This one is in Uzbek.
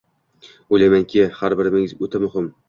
O‘ylaymanki, har biringiz o‘ta muhim